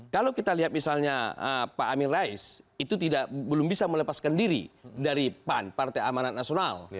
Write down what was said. kalau kita lihat misalnya pak amin rais itu belum bisa melepaskan diri dari pan partai amanat nasional